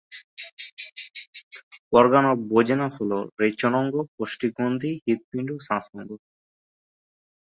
এদের ওড়ার ছন্দ বেশ চঞ্চল এবং এরা মাটির কাছাকাছি উড়তে পছন্দ করে।